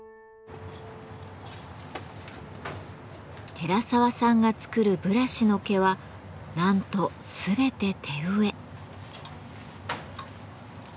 寺沢さんが作るブラシの毛はなんと全て手植え。